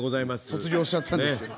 卒業しちゃったんですけど。